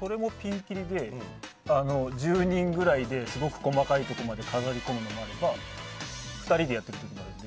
それもピンキリで１０人くらいですごく細かいところまで飾りこむのもあれば２人でやることもあるので。